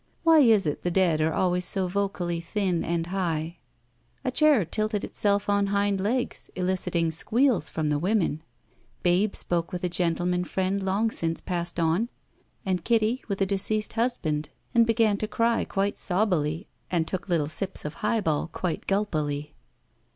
Why is it the dead are always so vocally thin and high? A chair tilted itself on hind legs, eliciting squeals from the women. Babe spoke with a gentleman friend long since passed on, and Kitty with a deceased husband, and began to cry quite sobbily and took little sips of highball quite gulpily.